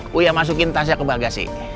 kuya masukin tasya ke bagasi